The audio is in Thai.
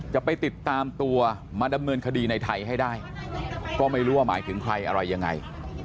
จะไปติดตามตัวมาดำเนินคดีในไทยให้ได้ก็ไม่รู้ว่าหมายถึงใครอะไรยังไง